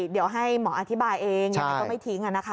เดี๋ยวให้หมออธิบายเองยังไงก็ไม่ทิ้ง